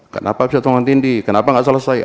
kenapa bisa tumpang tindih kenapa nggak selesai